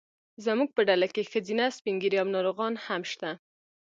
زموږ په ډله کې ښځینه، سپین ږیري او ناروغان هم شته.